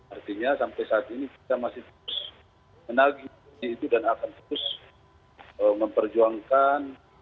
artinya sampai saat ini kita masih terus menagih itu dan akan terus memperjuangkan